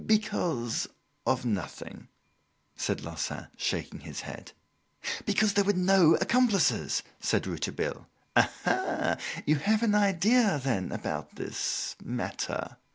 "Because of nothing," said Larsan, shaking his head. "Because there were no accomplices!" said Rouletabille. "Aha! you have an idea, then, about this matter?"